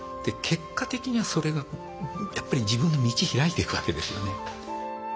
結果的にはそれがやっぱり自分の道開いていくわけですよね。